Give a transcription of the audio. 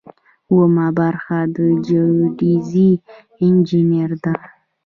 اوومه برخه جیوډیزي انجنیری ده.